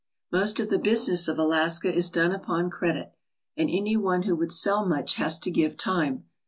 Most of the business of Alaska is done upon credit and any one who would sell much has to give time.